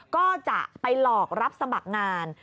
ก็จะไปหลอกรับสมัครงาน